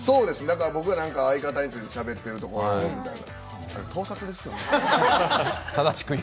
僕が相方についてしゃべってるところみたいな盗撮ですよね。